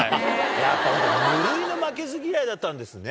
やっぱ部類の負けず嫌いだったんですね。